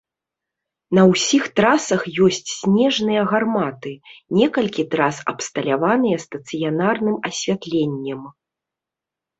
На ўсіх трасах ёсць снежныя гарматы, некалькі трас абсталяваныя стацыянарным асвятленнем.